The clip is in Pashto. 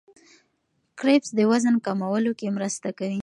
کرفس د وزن کمولو کې مرسته کوي.